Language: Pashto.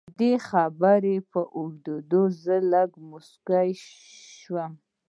د دې خبرې په اورېدو زه لږ موسک شوم